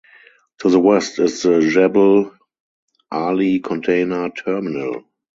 To the west is the Jebel Ali Container Terminal.